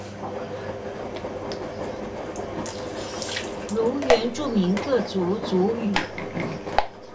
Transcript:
如原住民各族族語